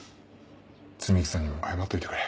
摘木さんにも謝っといてくれ。